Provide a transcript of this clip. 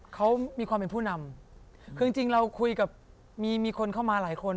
เขามีความเป็นผู้นำคือจริงจริงเราคุยกับมีคนเข้ามาหลายคน